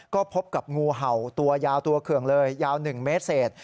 ก็พบกับงูเห่าตัวยาวตัวเคืองเลยยาว๑เมตรเศษ